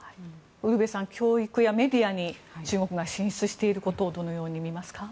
ウルヴェさん教育やメディアに中国が進出していることをどのように見ますか？